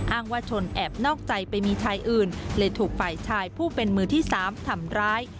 ว่าชนแอบนอกใจไปมีชายอื่นเลยถูกฝ่ายชายผู้เป็นมือที่สามทำร้าย